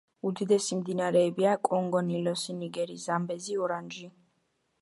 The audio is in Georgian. უდიდესი მდინარეებია: კონგო, ნილოსი, ნიგერი, ზამბეზი, ორანჟი.